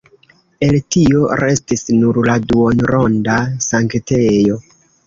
El tio restis nur la duonronda sanktejo.